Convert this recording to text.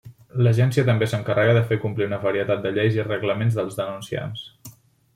L'agència també s'encarrega de fer complir una varietat de lleis i reglaments dels denunciants.